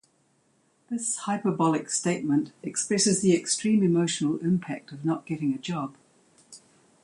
This hyperbolic statement expresses the extreme emotional impact of not getting a job.